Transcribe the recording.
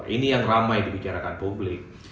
ini yang ramai dibicarakan publik